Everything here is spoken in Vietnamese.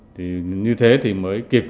thì như thế thì mới kịp